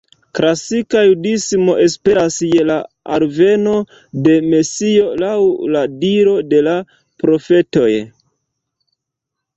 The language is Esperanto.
Klasika Judismo esperas je la alveno de Mesio, laŭ la diro de la profetoj.